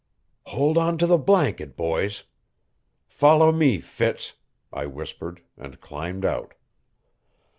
"Hold on to the blanket, boys. Follow me, Fitz," I whispered, and climbed out.